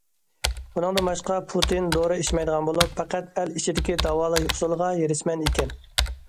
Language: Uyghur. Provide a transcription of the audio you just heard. بۇنىڭدىن باشقا، پۇتىن دورا ئىچمەيدىغان بولۇپ، پەقەت ئەل ئىچىدىكى داۋالاش ئۇسۇلىغا ھېرىسمەن ئىكەن.